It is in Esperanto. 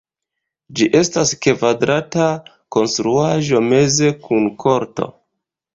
Ĝi estas kvadrata konstruaĵo meze kun korto.